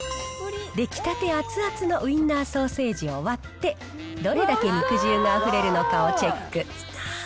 出来たて熱々のウインナーソーセージを割って、どれだけ肉汁があふれるのかをチェック。